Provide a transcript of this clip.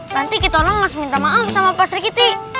nanti kita orang harus minta maaf sama pastri kita